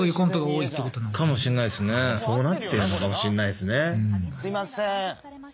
すいません。